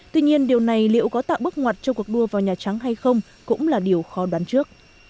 tuy nhiên điều này liệu có tạo bước ngoặt cho cuộc đua vào nhà trắng hay không cũng là điều khó đoán trước